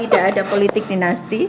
tidak ada politik dinasti